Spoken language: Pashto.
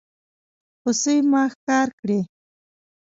هوسۍ ما ښکار کړي